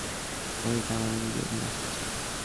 পাঁচটি দিন কঠিন ক্রিকেট খেলে ফলটা আমাদের দিকে নিয়ে আসতে চাই।